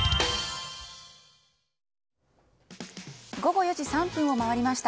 午後４時３分を回りました。